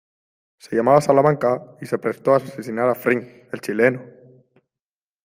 Se llamaba Salamanca y se prestó a asesinar a Fring, el chileno.